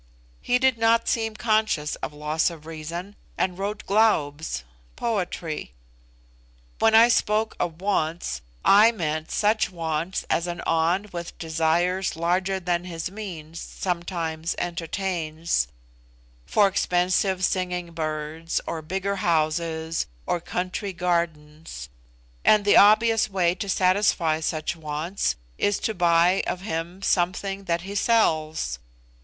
He did not seem conscious of loss of reason, and wrote glaubs (poetry). When I spoke of wants, I meant such wants as an An with desires larger than his means sometimes entertains for expensive singing birds, or bigger houses, or country gardens; and the obvious way to satisfy such wants is to buy of him something that he sells.